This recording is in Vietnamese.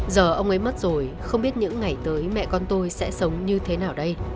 giờ ông ấy mất rồi không biết những ngày tới mẹ con tôi sẽ sống như thế nào đây